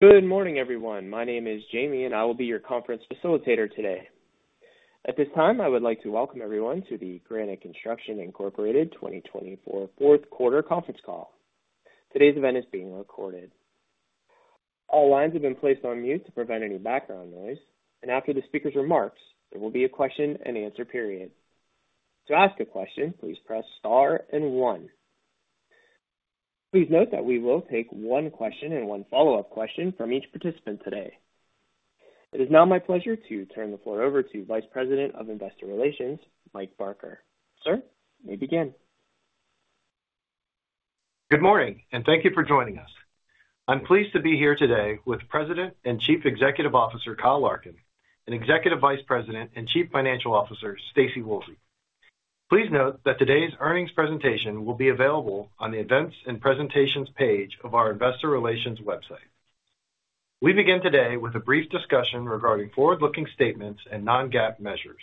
Good morning, everyone. My name is Jamie, and I will be your conference facilitator today. At this time, I would like to welcome everyone to the Granite Construction, Incorporated, 2024 Fourth Quarter Conference Call. Today's event is being recorded. All lines have been placed on mute to prevent any background noise, and after the speaker's remarks, there will be a question-and-answer period. To ask a question, please press star and one. Please note that we will take one question and one follow-up question from each participant today. It is now my pleasure to turn the floor over to Vice President of Investor Relations, Mike Barker. Sir, may we begin? Good morning, and thank you for joining us. I'm pleased to be here today with President and Chief Executive Officer Kyle Larkin, and Executive Vice President and Chief Financial Officer Staci Woolsey. Please note that today's earnings presentation will be available on the Events and Presentations page of our Investor Relations website. We begin today with a brief discussion regarding forward-looking statements and Non-GAAP measures.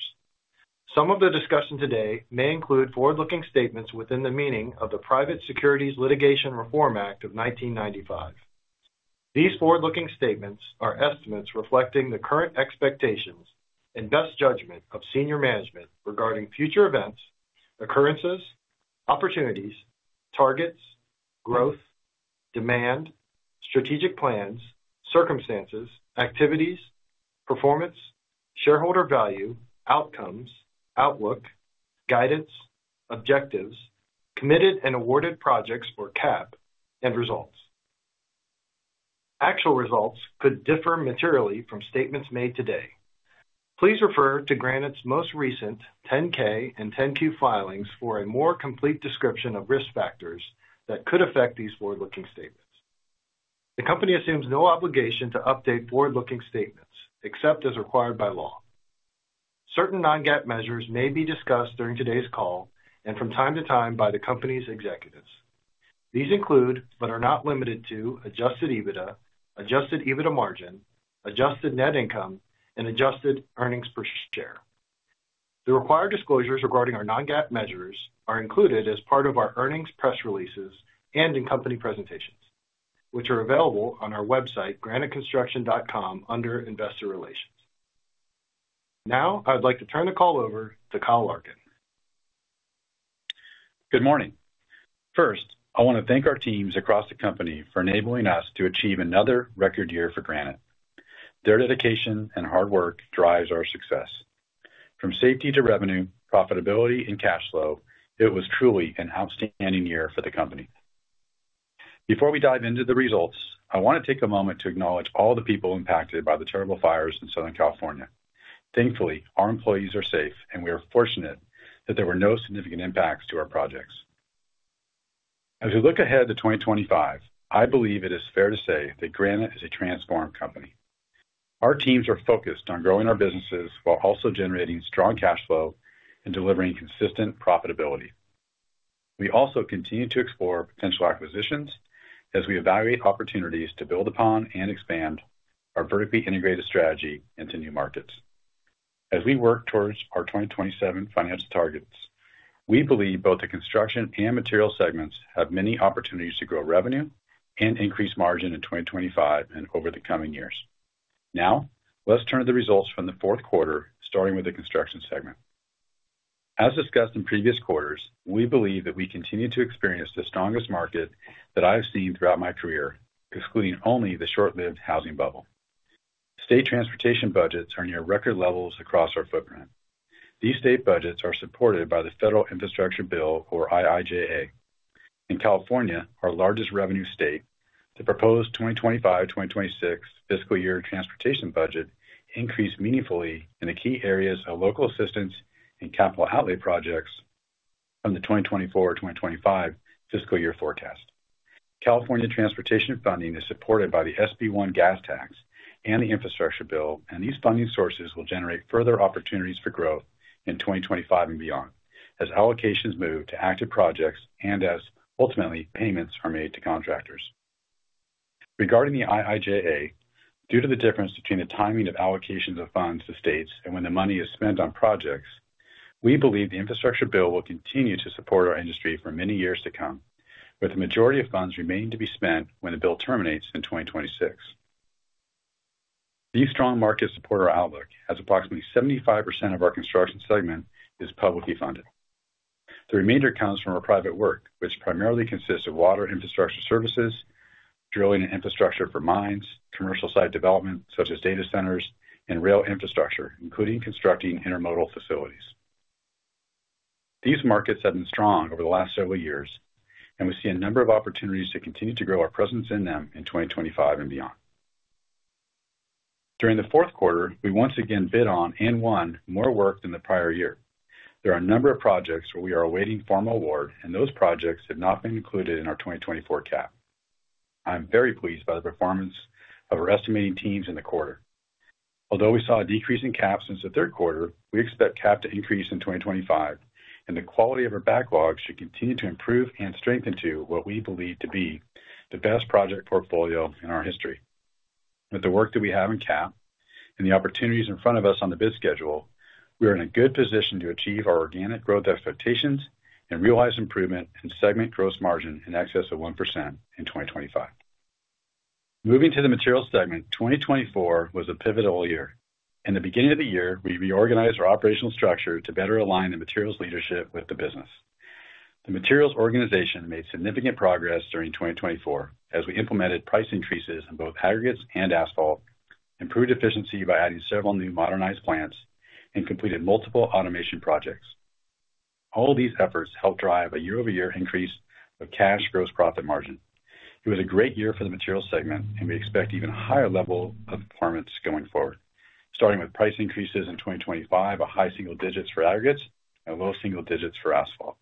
Some of the discussion today may include forward-looking statements within the meaning of the Private Securities Litigation Reform Act of 1995. These forward-looking statements are estimates reflecting the current expectations and best judgment of senior management regarding future events, occurrences, opportunities, targets, growth, demand, strategic plans, circumstances, activities, performance, shareholder value, outcomes, outlook, guidance, objectives, Committed and Awarded Projects, or CAP, and results. Actual results could differ materially from statements made today. Please refer to Granite's most recent 10-K and 10-Q filings for a more complete description of risk factors that could affect these forward-looking statements. The company assumes no obligation to update forward-looking statements except as required by law. Certain non-GAAP measures may be discussed during today's call and from time to time by the company's executives. These include, but are not limited to, Adjusted EBITDA, Adjusted EBITDA Margin, Adjusted Net Income, and Adjusted Earnings Per Share. The required disclosures regarding our non-GAAP measures are included as part of our earnings press releases and in company presentations, which are available on our website, graniteconstruction.com, under Investor Relations. Now, I would like to turn the call over to Kyle Larkin. Good morning. First, I want to thank our teams across the company for enabling us to achieve another record year for Granite. Their dedication and hard work drive our success. From safety to revenue, profitability, and cash flow, it was truly an outstanding year for the company. Before we dive into the results, I want to take a moment to acknowledge all the people impacted by the terrible fires in Southern California. Thankfully, our employees are safe, and we are fortunate that there were no significant impacts to our projects. As we look ahead to 2025, I believe it is fair to say that Granite is a transformed company. Our teams are focused on growing our businesses while also generating strong cash flow and delivering consistent profitability. We also continue to explore potential acquisitions as we evaluate opportunities to build upon and expand our vertically integrated strategy into new markets. As we work towards our 2027 financial targets, we believe both the Construction and Materials segments have many opportunities to grow revenue and increase margin in 2025 and over the coming years. Now, let's turn to the results from the fourth quarter, starting with the Construction segment. As discussed in previous quarters, we believe that we continue to experience the strongest market that I have seen throughout my career, excluding only the short-lived housing bubble. State transportation budgets are near record levels across our footprint. These state budgets are supported by the Federal Infrastructure Bill, or IIJA. In California, our largest revenue state, the proposed 2025-2026 fiscal year transportation budget increased meaningfully in the key areas of local assistance and capital outlay projects from the 2024-2025 fiscal year forecast. California transportation funding is supported by the SB 1 gas tax and the infrastructure bill, and these funding sources will generate further opportunities for growth in 2025 and beyond as allocations move to active projects and as, ultimately, payments are made to contractors. Regarding the IIJA, due to the difference between the timing of allocations of funds to states and when the money is spent on projects, we believe the infrastructure bill will continue to support our industry for many years to come, with the majority of funds remaining to be spent when the bill terminates in 2026. These strong markets support our outlook as approximately 75% of our Construction segment is publicly funded. The remainder comes from our private work, which primarily consists of water infrastructure services, drilling and infrastructure for mines, commercial site development such as data centers, and rail infrastructure, including constructing intermodal facilities. These markets have been strong over the last several years, and we see a number of opportunities to continue to grow our presence in them in 2025 and beyond. During the fourth quarter, we once again bid on and won more work than the prior year. There are a number of projects where we are awaiting formal award, and those projects have not been included in our 2024 CAP. I'm very pleased by the performance of our estimating teams in the quarter. Although we saw a decrease in CAP since the third quarter, we expect CAP to increase in 2025, and the quality of our backlog should continue to improve and strengthen to what we believe to be the best project portfolio in our history. With the work that we have in CAP and the opportunities in front of us on the bid schedule, we are in a good position to achieve our organic growth expectations and realize improvement in segment gross margin in excess of 1% in 2025. Moving to the Materials segment, 2024 was a pivotal year. In the beginning of the year, we reorganized our operational structure to better align the materials leadership with the business. The materials organization made significant progress during 2024 as we implemented price increases in both aggregates and asphalt, improved efficiency by adding several new modernized plants, and completed multiple automation projects. All of these efforts helped drive a year-over-year increase of Cash Gross Profit Margin. It was a great year for the materials segment, and we expect even a higher level of performance going forward, starting with price increases in 2025 of high single digits for aggregates and low single digits for asphalt.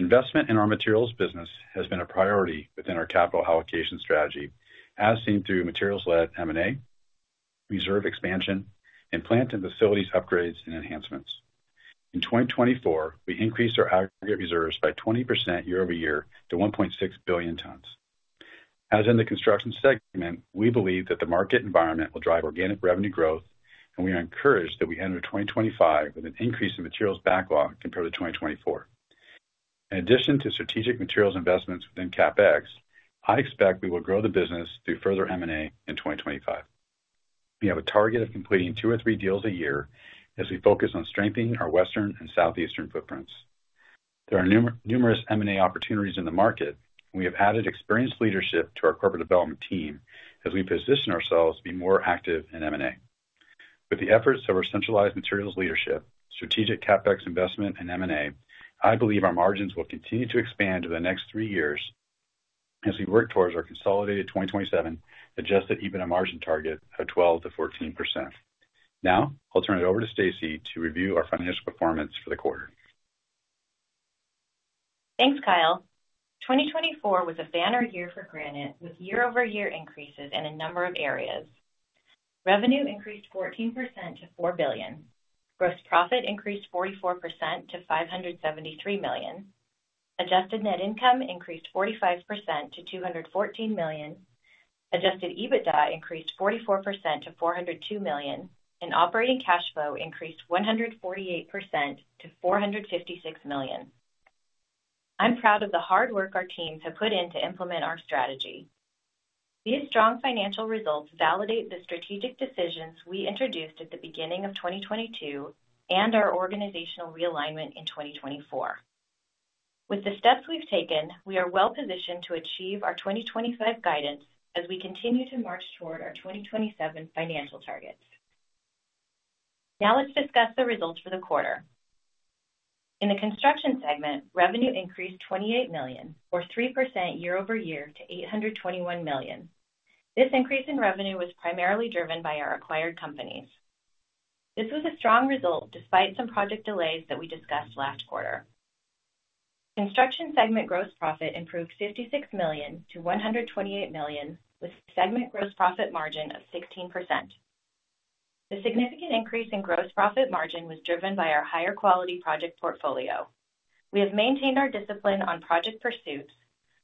Investment in our materials business has been a priority within our capital allocation strategy, as seen through materials-led M&A, reserve expansion, and plant and facilities upgrades and enhancements. In 2024, we increased our aggregate reserves by 20% year-over-year to 1.6 billion tons. As in the Construction segment, we believe that the market environment will drive organic revenue growth, and we are encouraged that we enter 2025 with an increase in materials backlog compared to 2024. In addition to strategic materials investments within CapEx, I expect we will grow the business through further M&A in 2025. We have a target of completing two or three deals a year as we focus on strengthening our Western and Southeastern footprints. There are numerous M&A opportunities in the market, and we have added experienced leadership to our corporate development team as we position ourselves to be more active in M&A. With the efforts of our centralized materials leadership, strategic CapEx investment, and M&A, I believe our margins will continue to expand over the next three years as we work towards our consolidated 2027 Adjusted EBITDA Margin target of 12%-14%. Now, I'll turn it over to Staci to review our financial performance for the quarter. Thanks, Kyle. 2024 was a banner year for Granite with year-over-year increases in a number of areas. Revenue increased 14% to $4 billion. Gross profit increased 44% to $573 million. Adjusted Net Income increased 45% to $214 million. Adjusted EBITDA increased 44% to $402 million, and operating cash flow increased 148% to $456 million. I'm proud of the hard work our teams have put in to implement our strategy. These strong financial results validate the strategic decisions we introduced at the beginning of 2022 and our organizational realignment in 2024. With the steps we've taken, we are well positioned to achieve our 2025 guidance as we continue to march toward our 2027 financial targets. Now, let's discuss the results for the quarter. In the Construction segment, revenue increased $28 million, or 3% year-over-year, to $821 million. This increase in revenue was primarily driven by our acquired companies. This was a strong result despite some project delays that we discussed last quarter. Construction segment gross profit improved $56 million to $128 million, with segment gross profit margin of 16%. The significant increase in gross profit margin was driven by our higher-quality project portfolio. We have maintained our discipline on project pursuits.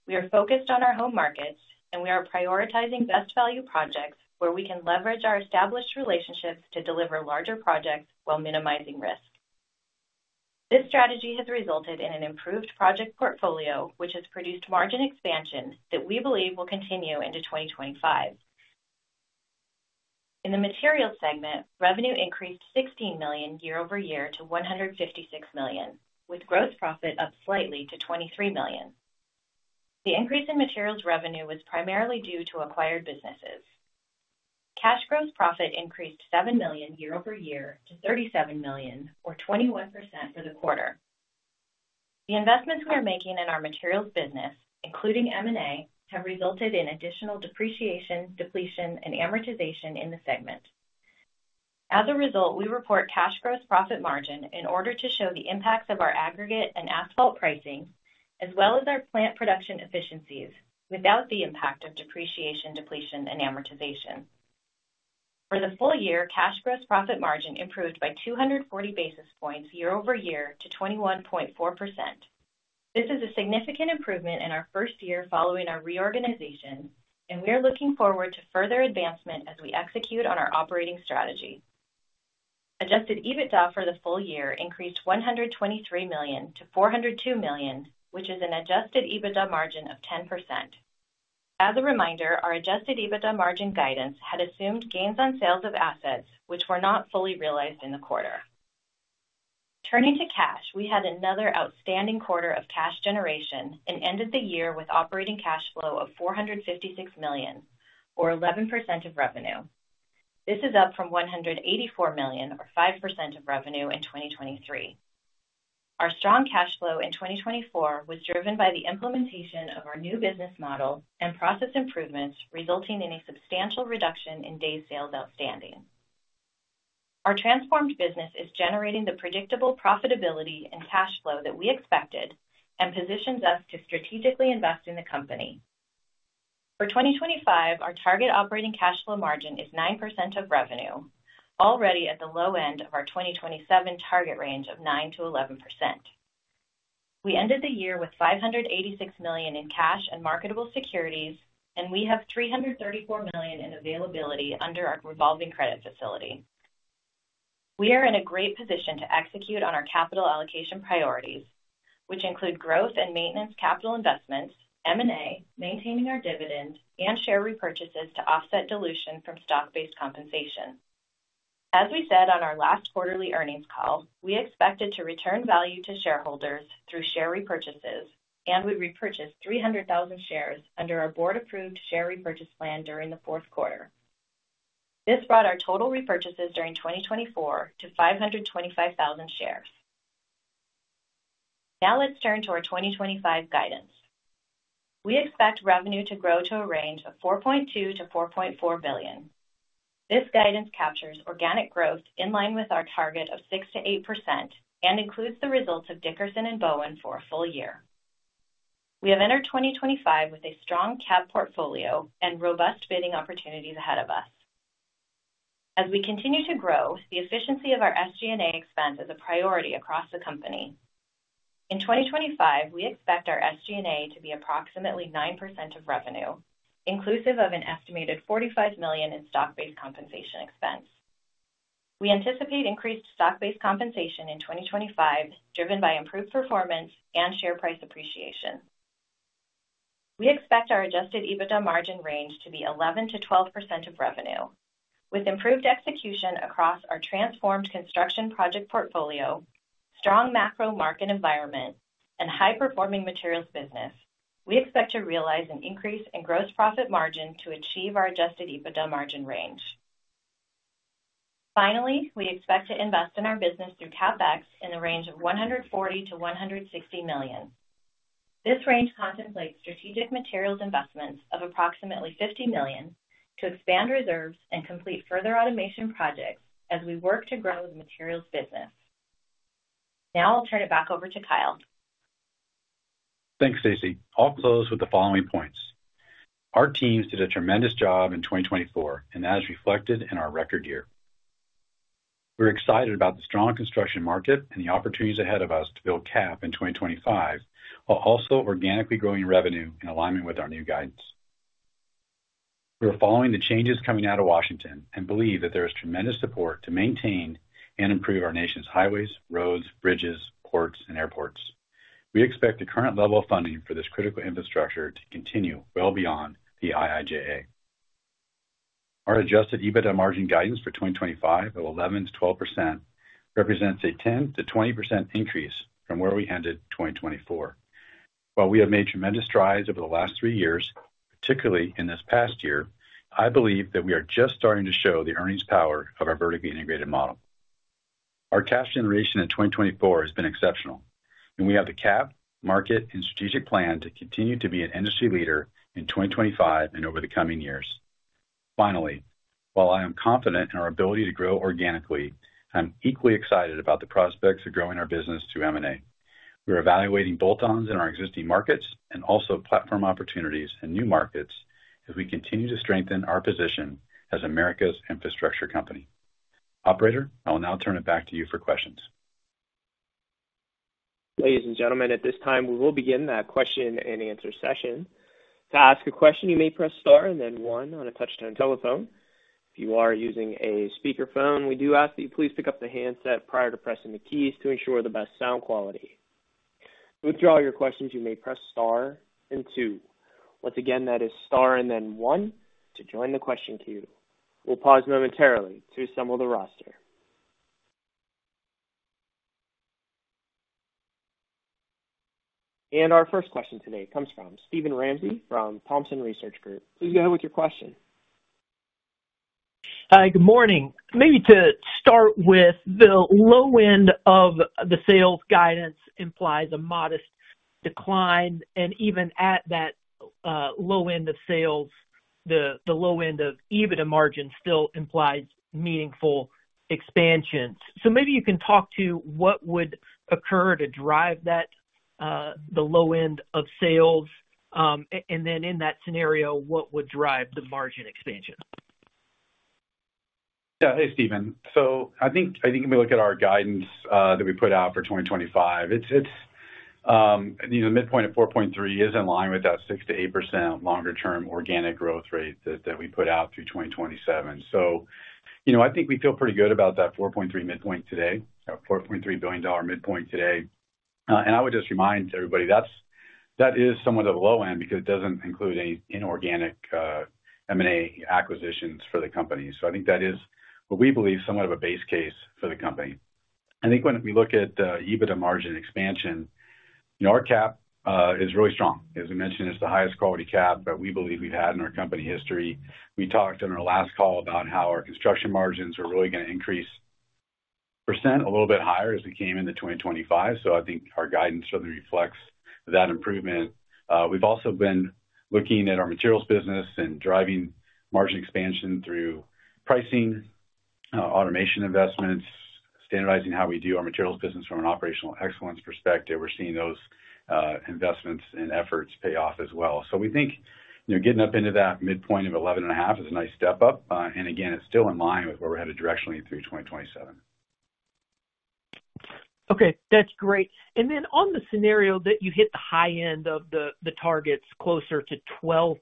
We are focused on our home markets, and we are prioritizing best-value projects where we can leverage our established relationships to deliver larger projects while minimizing risk. This strategy has resulted in an improved project portfolio, which has produced margin expansion that we believe will continue into 2025. In the Materials segment, revenue increased $16 million year-over-year to $156 million, with gross profit up slightly to $23 million. The increase in materials revenue was primarily due to acquired businesses. Cash gross profit increased $7 million year-over-year to $37 million, or 21% for the quarter. The investments we are making in our materials business, including M&A, have resulted in additional depreciation, depletion, and amortization in the segment. As a result, we report Cash Gross Profit Margin in order to show the impacts of our aggregate and asphalt pricing, as well as our plant production efficiencies, without the impact of depreciation, depletion, and amortization. For the full year, Cash Gross Profit Margin improved by 240 basis points year-over-year to 21.4%. This is a significant improvement in our first year following our reorganization, and we are looking forward to further advancement as we execute on our operating strategy. Adjusted EBITDA for the full year increased $123 million to $402 million, which is an Adjusted EBITDA Margin of 10%. As a reminder, our Adjusted EBITDA Margin guidance had assumed gains on sales of assets, which were not fully realized in the quarter. Turning to cash, we had another outstanding quarter of cash generation and ended the year with operating cash flow of $456 million, or 11% of revenue. This is up from $184 million, or 5% of revenue, in 2023. Our strong cash flow in 2024 was driven by the implementation of our new business model and process improvements, resulting in a substantial reduction in Days Sales Outstanding. Our transformed business is generating the predictable profitability and cash flow that we expected and positions us to strategically invest in the company. For 2025, our target operating cash flow margin is 9% of revenue, already at the low end of our 2027 target range of 9%-11%. We ended the year with $586 million in cash and marketable securities, and we have $334 million in availability under our revolving credit facility. We are in a great position to execute on our capital allocation priorities, which include growth and maintenance capital investments, M&A, maintaining our dividend, and share repurchases to offset dilution from stock-based compensation. As we said on our last quarterly earnings call, we expected to return value to shareholders through share repurchases and would repurchase 300,000 shares under our board-approved share repurchase plan during the fourth quarter. This brought our total repurchases during 2024 to 525,000 shares. Now, let's turn to our 2025 guidance. We expect revenue to grow to a range of $4.2 billion-$4.4 billion. This guidance captures organic growth in line with our target of 6%-8% and includes the results of Dickerson & Bowen for a full year. We have entered 2025 with a strong CAP portfolio and robust bidding opportunities ahead of us. As we continue to grow, the efficiency of our SG&A expense is a priority across the company. In 2025, we expect our SG&A to be approximately 9% of revenue, inclusive of an estimated $45 million in stock-based compensation expense. We anticipate increased stock-based compensation in 2025, driven by improved performance and share price appreciation. We expect our Adjusted EBITDA Margin range to be 11%-12% of revenue. With improved execution across our transformed Construction project portfolio, strong macro market environment, and high-performing materials business, we expect to realize an increase in gross profit margin to achieve our Adjusted EBITDA Margin range. Finally, we expect to invest in our business through CapEx in the range of $140 million-$160 million. This range contemplates strategic materials investments of approximately $50 million to expand reserves and complete further automation projects as we work to grow the materials business. Now, I'll turn it back over to Kyle. Thanks, Staci. I'll close with the following points. Our teams did a tremendous job in 2024, and that is reflected in our record year. We're excited about the strong Construction market and the opportunities ahead of us to build CAP in 2025 while also organically growing revenue in alignment with our new guidance. We are following the changes coming out of Washington and believe that there is tremendous support to maintain and improve our nation's highways, roads, bridges, ports, and airports. We expect the current level of funding for this critical infrastructure to continue well beyond the IIJA. Our Adjusted EBITDA Margin guidance for 2025 of 11%-12% represents a 10%-20% increase from where we ended 2024. While we have made tremendous strides over the last three years, particularly in this past year, I believe that we are just starting to show the earnings power of our vertically integrated model. Our cash generation in 2024 has been exceptional, and we have the CAP, market, and strategic plan to continue to be an industry leader in 2025 and over the coming years. Finally, while I am confident in our ability to grow organically, I'm equally excited about the prospects of growing our business through M&A. We are evaluating bolt-ons in our existing markets and also platform opportunities and new markets as we continue to strengthen our position as America's infrastructure company. Operator, I will now turn it back to you for questions. Ladies and gentlemen, at this time, we will begin that question and answer session. To ask a question, you may press star and then one on a touch-tone telephone. If you are using a speakerphone, we do ask that you please pick up the handset prior to pressing the keys to ensure the best sound quality. To withdraw your questions, you may press star and two. Once again, that is star and then one to join the question queue. We'll pause momentarily to assemble the roster. And our first question today comes from Steven Ramsey from Thompson Research Group. Please go ahead with your question. Hi, good morning. Maybe to start with, the low end of the sales guidance implies a modest decline, and even at that low end of sales, the low end of EBITDA margin still implies meaningful expansions. So maybe you can talk to what would occur to drive that, the low end of sales, and then in that scenario, what would drive the margin expansion? Yeah, hey, Stephen. So I think if we look at our guidance that we put out for 2025, the midpoint of $4.3 billion is in line with that 6%-8% longer-term organic growth rate that we put out through 2027. So I think we feel pretty good about that $4.3 billion midpoint today. And I would just remind everybody that that is somewhat of a low end because it doesn't include any inorganic M&A acquisitions for the company. So I think that is, what we believe, somewhat of a base case for the company. I think when we look at the EBITDA margin expansion, our CAP is really strong. As we mentioned, it's the highest quality CAP that we believe we've had in our company history. We talked on our last call about how our Construction margins are really going to increase percent a little bit higher as we came into 2025. So I think our guidance certainly reflects that improvement. We've also been looking at our materials business and driving margin expansion through pricing, automation investments, standardizing how we do our materials business from an operational excellence perspective. We're seeing those investments and efforts pay off as well. So we think getting up into that midpoint of 11.5% is a nice step up. And again, it's still in line with where we're headed directionally through 2027. Okay, that's great. And then on the scenario that you hit the high end of the targets closer to 12%,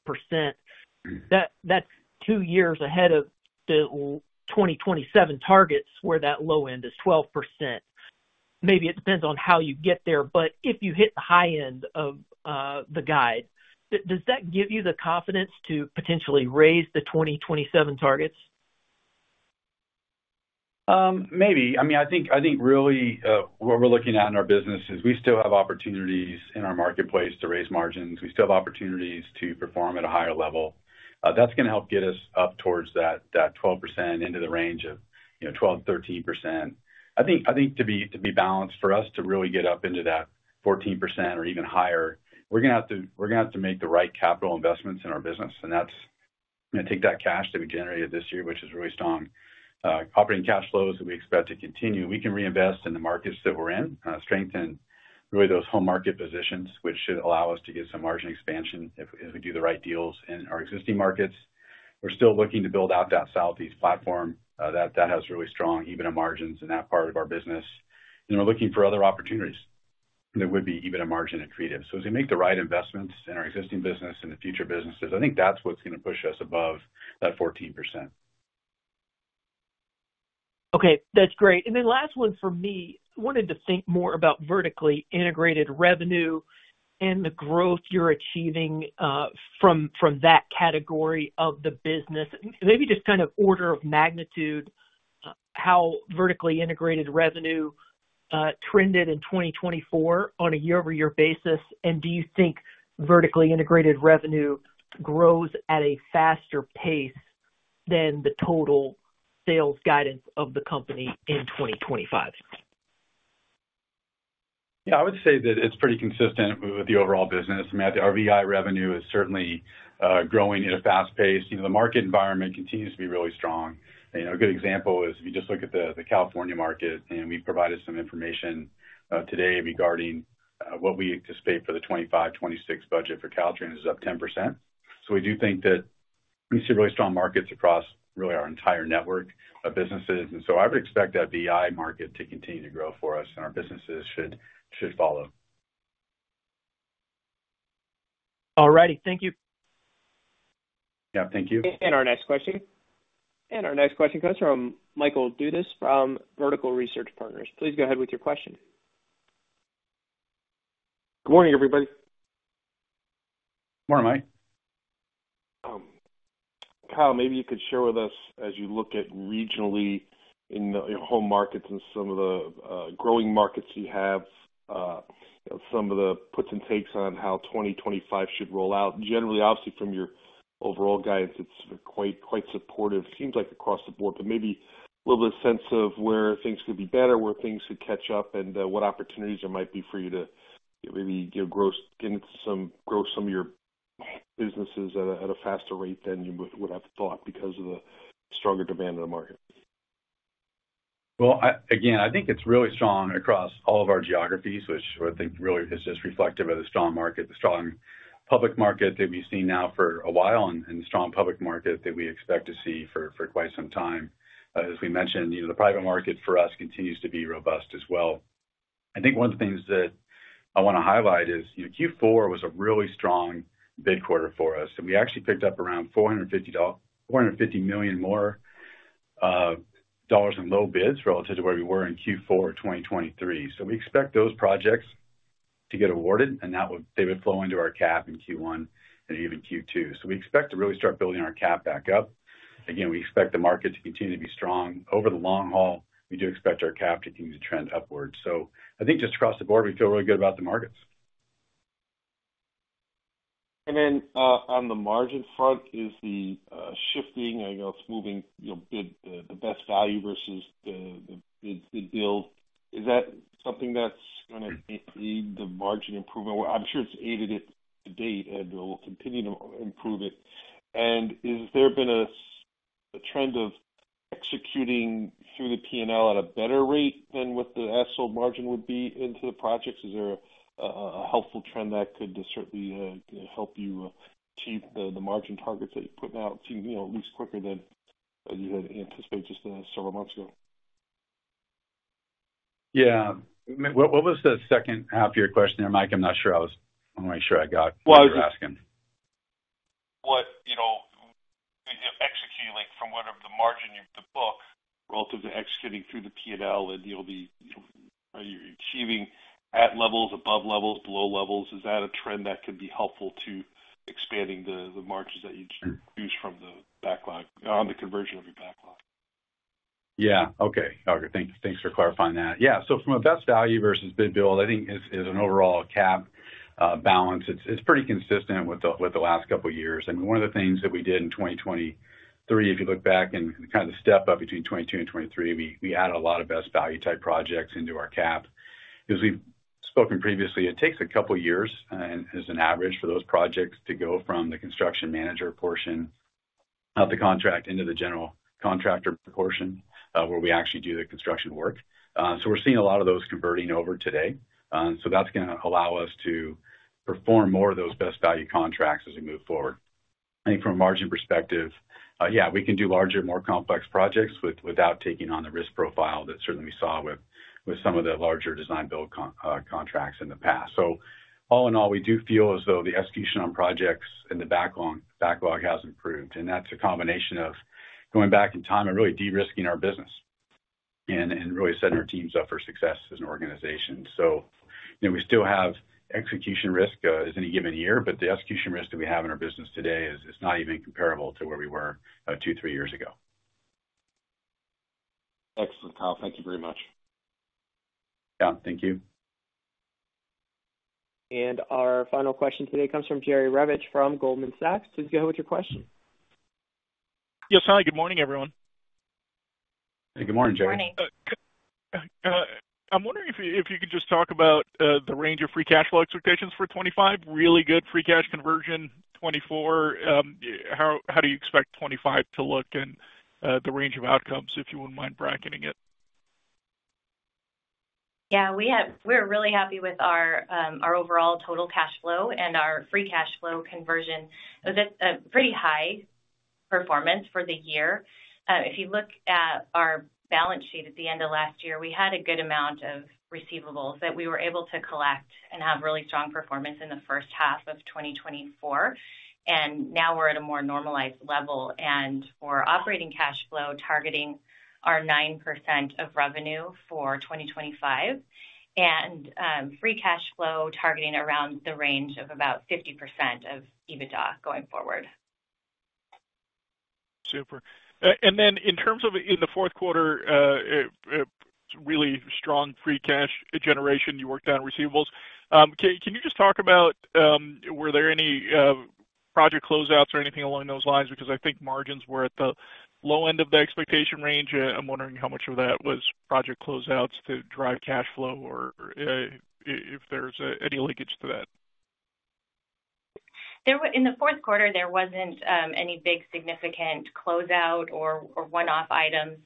that's two years ahead of the 2027 targets where that low end is 12%. Maybe it depends on how you get there, but if you hit the high end of the guide, does that give you the confidence to potentially raise the 2027 targets? Maybe. I mean, I think really what we're looking at in our business is we still have opportunities in our marketplace to raise margins. We still have opportunities to perform at a higher level. That's going to help get us up towards that 12% into the range of 12%-13%. I think to be balanced for us to really get up into that 14% or even higher, we're going to have to make the right capital investments in our business. And that's going to take that cash that we generated this year, which is really strong. Operating cash flows that we expect to continue. We can reinvest in the markets that we're in, strengthen really those home market positions, which should allow us to get some margin expansion if we do the right deals in our existing markets. We're still looking to build out that Southeast platform. That has really strong EBITDA margins in that part of our business. And we're looking for other opportunities that would be EBITDA margin attractive. So as we make the right investments in our existing business and the future businesses, I think that's what's going to push us above that 14%. Okay, that's great. And then last one for me, wanted to think more about vertically integrated revenue and the growth you're achieving from that category of the business. Maybe just kind of order of magnitude, how vertically integrated revenue trended in 2024 on a year-over-year basis? And do you think vertically integrated revenue grows at a faster pace than the total sales guidance of the company in 2025? Yeah, I would say that it's pretty consistent with the overall business. I mean, our VI revenue is certainly growing at a fast pace. The market environment continues to be really strong. A good example is if you just look at the California market, and we provided some information today regarding what we anticipate for the 2025-2026 budget for Caltrans. It's up 10%. So we do think that we see really strong markets across really our entire network of businesses. And so I would expect that VI market to continue to grow for us, and our businesses should follow. All righty, thank you. Yeah, thank you. Our next question comes from Michael Dudas from Vertical Research Partners. Please go ahead with your question. Good morning, everybody. Good morning, Mike. Kyle, maybe you could share with us as you look at regionally in your home markets and some of the growing markets you have, some of the puts and takes on how 2025 should roll out. Generally, obviously from your overall guidance, it's quite supportive. Seems like across the board, but maybe a little bit of sense of where things could be better, where things could catch up, and what opportunities there might be for you to maybe grow some of your businesses at a faster rate than you would have thought because of the stronger demand in the market. Again, I think it's really strong across all of our geographies, which I think really is just reflective of the strong market, the strong public market that we've seen now for a while, and the strong public market that we expect to see for quite some time. As we mentioned, the private market for us continues to be robust as well. I think one of the things that I want to highlight is Q4 was a really strong bid quarter for us. And we actually picked up around $450 million more dollars in low bids relative to where we were in Q4 of 2023. So we expect those projects to get awarded, and that would flow into our CAP in Q1 and even Q2. So we expect to really start building our CAP back up. Again, we expect the market to continue to be strong. Over the long haul, we do expect our CAP to continue to trend upward. So I think just across the board, we feel really good about the markets. And then on the margin front, is the shifting, I guess, moving the best-value versus the bid-build, is that something that's going to aid the margin improvement? I'm sure it's aided it to date, and it will continue to improve it. And has there been a trend of executing through the P&L at a better rate than what the as-bid margin would be into the projects? Is there a helpful trend that could certainly help you achieve the margin targets that you've put out at least quicker than you had anticipated just several months ago? Yeah. What was the second half of your question there, Mike? I'm not sure. I want to make sure I got what you're asking. What about executing on whatever the margin in the book? Relative to executing through the P&L and are you achieving at levels, above levels, below levels? Is that a trend that could be helpful to expanding the margins that you use from the backlog on the conversion of your backlog? Yeah. Okay. Thanks for clarifying that. Yeah. So from a best-value versus bid-build, I think as an overall CAP balance, it's pretty consistent with the last couple of years, and one of the things that we did in 2023, if you look back and kind of the step up between 2022 and 2023, we added a lot of best-value type projects into our CAP. As we've spoken previously, it takes a couple of years as an average for those projects to go from the Construction manager portion of the contract into the general contractor portion where we actually do the Construction work, so we're seeing a lot of those converting over today, so that's going to allow us to perform more of those best-value contracts as we move forward. I think from a margin perspective, yeah, we can do larger, more complex projects without taking on the risk profile that certainly we saw with some of the larger design-build contracts in the past. So all in all, we do feel as though the execution on projects in the backlog has improved. And that's a combination of going back in time and really de-risking our business and really setting our teams up for success as an organization. So we still have execution risk as any given year, but the execution risk that we have in our business today is not even comparable to where we were two, three years ago. Excellent, Kyle. Thank you very much. Yeah, thank you. Our final question today comes from Jerry Revich from Goldman Sachs. Please go ahead with your question. Yes, hi. Good morning, everyone. Hey, good morning, Jerry. Good morning. I'm wondering if you could just talk about the range of free cash flow expectations for 2025. Really good free cash conversion 2024. How do you expect 2025 to look in the range of outcomes if you wouldn't mind bracketing it? Yeah, we're really happy with our overall total cash flow and our free cash flow conversion. It was a pretty high performance for the year. If you look at our balance sheet at the end of last year, we had a good amount of receivables that we were able to collect and have really strong performance in the first half of 2024. And now we're at a more normalized level. And for operating cash flow, targeting our 9% of revenue for 2025, and free cash flow targeting around the range of about 50% of EBITDA going forward. Super. And then in terms of in the fourth quarter, really strong free cash generation, you worked on receivables. Can you just talk about whether there were any project closeouts or anything along those lines? Because I think margins were at the low end of the expectation range. I'm wondering how much of that was project closeouts to drive cash flow or if there's any linkage to that? In the fourth quarter, there wasn't any big significant closeout or one-off items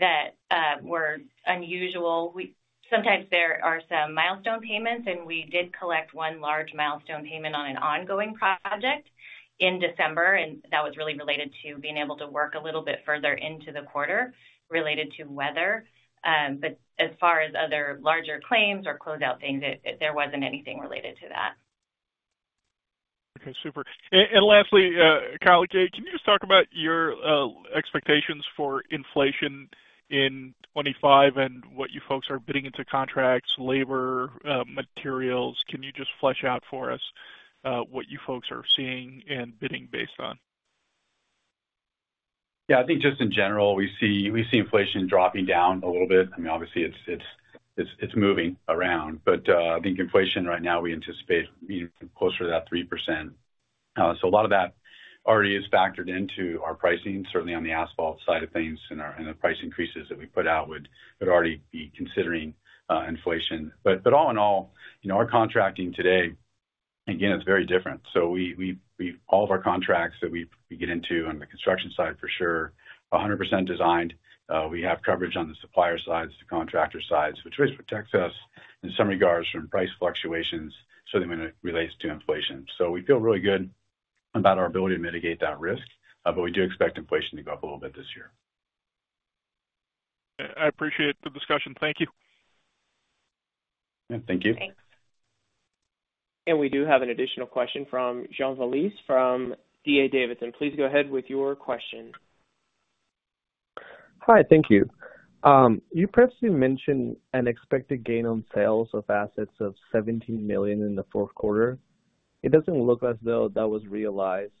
that were unusual. Sometimes there are some milestone payments, and we did collect one large milestone payment on an ongoing project in December. And that was really related to being able to work a little bit further into the quarter related to weather. But as far as other larger claims or closeout things, there wasn't anything related to that. Okay, super. And lastly, Kyle, can you just talk about your expectations for inflation in 2025 and what you folks are bidding into contracts, labor, materials? Can you just flesh out for us what you folks are seeing and bidding based on? Yeah, I think just in general, we see inflation dropping down a little bit. I mean, obviously, it's moving around. But I think inflation right now, we anticipate closer to that 3%. So a lot of that already is factored into our pricing, certainly on the asphalt side of things. And the price increases that we put out would already be considering inflation. But all in all, our contracting today, again, it's very different. So all of our contracts that we get into on the Construction side, for sure, 100% designed. We have coverage on the supplier sides, the contractor sides, which protects us in some regards from price fluctuations certainly when it relates to inflation. So we feel really good about our ability to mitigate that risk. But we do expect inflation to go up a little bit this year. I appreciate the discussion. Thank you. Yeah, thank you. Thanks. We do have an additional question from Jean Veliz from D.A. Davidson. Please go ahead with your question. Hi, thank you. You previously mentioned an expected gain on sales of assets of $17 million in the fourth quarter. It doesn't look as though that was realized.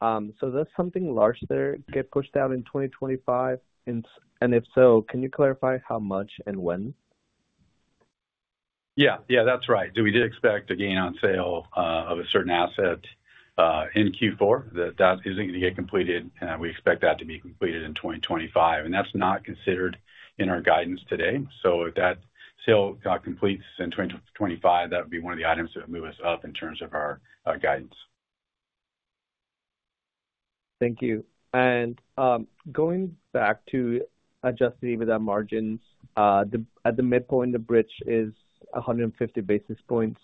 So does something large there get pushed out in 2025? And if so, can you clarify how much and when? Yeah, yeah, that's right. So we did expect a gain on sale of a certain asset in Q4 that isn't going to get completed. And we expect that to be completed in 2025. And that's not considered in our guidance today. So if that sale completes in 2025, that would be one of the items that would move us up in terms of our guidance. Thank you. And going back to Adjusted EBITDA Margins, at the midpoint, the bridge is 150 basis points.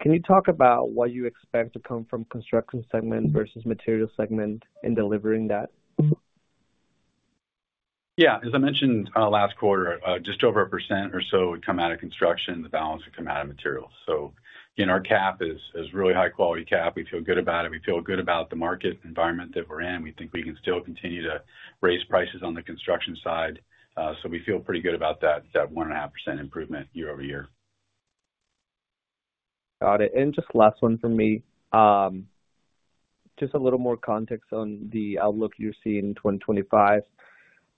Can you talk about what you expect to come from Construction segment versus material segment in delivering that? Yeah. As I mentioned last quarter, just over 1% or so would come out of Construction. The balance would come out of materials. So our CAP is really high-quality CAP. We feel good about it. We feel good about the market environment that we're in. We think we can still continue to raise prices on the Construction side. So we feel pretty good about that 1.5% improvement year over year. Got it. And just last one for me. Just a little more context on the outlook you're seeing in 2025.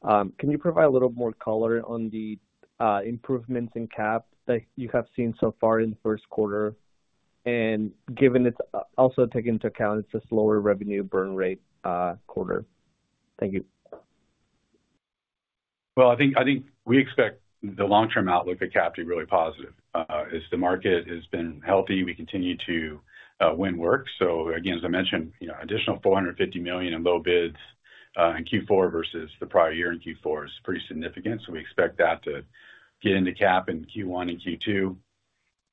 Can you provide a little more color on the improvements in CAP that you have seen so far in the first quarter? And given it's also taken into account, it's a slower revenue burn rate quarter. Thank you. I think we expect the long-term outlook of CAP to be really positive. The market has been healthy. We continue to win work. Again, as I mentioned, additional $450 million in low bids in Q4 versus the prior year in Q4 is pretty significant. We expect that to get into CAP in Q1 and Q2.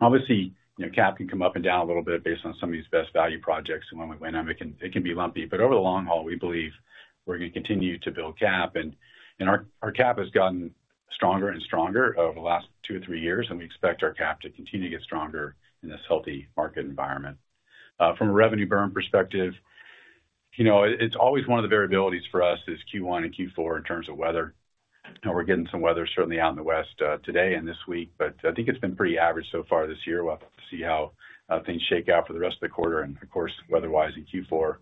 Obviously, CAP can come up and down a little bit based on some of these best-value projects. When we win them, it can be lumpy. Over the long haul, we believe we're going to continue to build CAP. Our CAP has gotten stronger and stronger over the last two or three years. We expect our CAP to continue to get stronger in this healthy market environment. From a revenue burn perspective, it's always one of the variabilities for us is Q1 and Q4 in terms of weather. We're getting some weather certainly out in the west today and this week. But I think it's been pretty average so far this year. We'll have to see how things shake out for the rest of the quarter. And of course, weather-wise in Q4,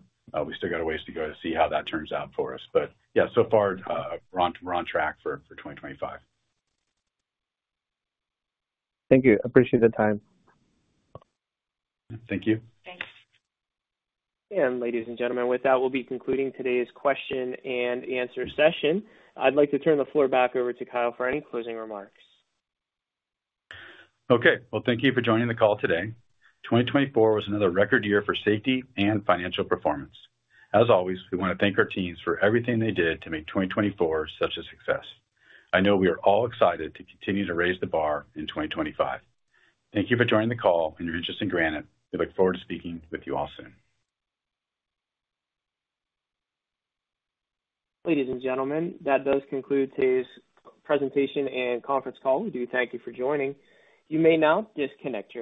we still got a ways to go to see how that turns out for us. But yeah, so far, we're on track for 2025. Thank you. Appreciate the time. Thank you. Thanks. Ladies and gentlemen, with that, we'll be concluding today's question and answer session. I'd like to turn the floor back over to Kyle for any closing remarks. Okay. Well, thank you for joining the call today. 2024 was another record year for safety and financial performance. As always, we want to thank our teams for everything they did to make 2024 such a success. I know we are all excited to continue to raise the bar in 2025. Thank you for joining the call and your interest in Granite. We look forward to speaking with you all soon. Ladies and gentlemen, that does conclude today's presentation and conference call. We do thank you for joining. You may now disconnect your.